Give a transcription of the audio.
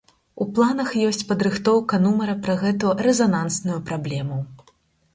У планах ёсць падрыхтоўка нумара пра гэту рэзанансную праблему.